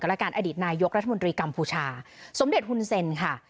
และการอดีตนายกรัฐมนตรีกัมพูชาสมเด็จฮุนเซ็นค่ะ